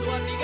satu dua tiga